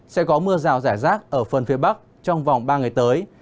sẽ có mưa rào rải rác ở phần phía bắc trong vòng ba ngày tới